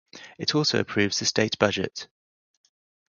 It also approves the state budget.